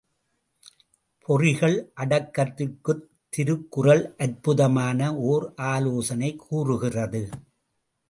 பொறிகள் அடக்கத்திற்குத் திருக்குறள் அற்புதமான ஓர் ஆலோசனை கூறுகிறது.